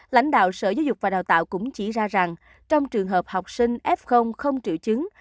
lãnh đạo sở giáo dục và đào tạo cũng chỉ ra rằng trong trường hợp học sinh f không triệu chứng